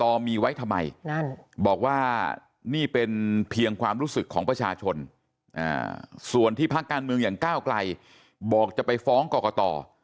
ไว้ทำไมนั่นบอกว่านี่เป็นเพียงความรู้สึกของประชาชนส่วนที่พักการเมืองอย่างก้าวไกลบอกจะไปฟ้องกรกต